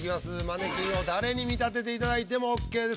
マネキンを誰に見立てていただいてもＯＫです。